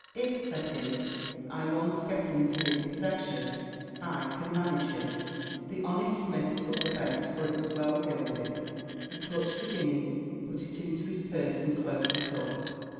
"If," said he, "I once get into his possession, I can manage him." The honest smith took the bait, for it was well gilded; he clutched the guinea, put it into his purse, and closed it up.